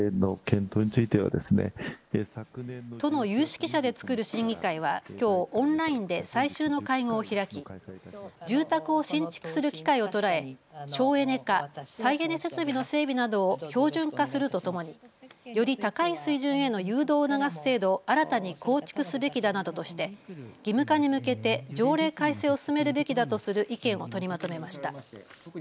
都の有識者で作る審議審議会はきょうオンラインで最終の会合を開き住宅を新築する機会を捉え省エネ化、再エネ設備の整備などを標準化するとともにより高い水準への誘導を促す制度を新たに構築すべきだなどとして義務化に向けて条例改正を進めるべきだとする意見を取りまとめました。